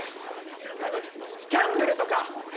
なのにギャンブルとか。